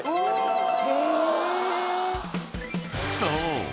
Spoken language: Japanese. ［そう！